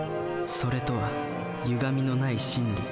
「それ」とはゆがみのない真理。